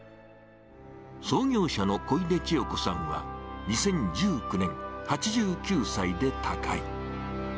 創業者の小出千代子さんは、２０１９年、８９歳で他界。